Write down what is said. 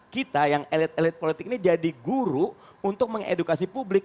kita yang elit elit politik ini jadi guru untuk mengedukasi publik